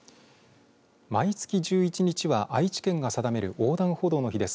毎月１１日は愛知県が定める横断歩道の日です。